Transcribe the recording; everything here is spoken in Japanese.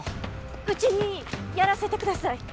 うちにやらせてください！